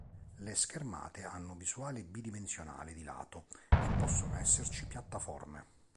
Le schermate hanno visuale bidimensionale di lato e possono esserci piattaforme.